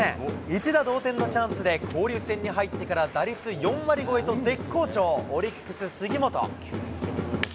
一打同点のチャンスで交流戦に入ってから打率４割超えと絶好調、オリックス、杉本。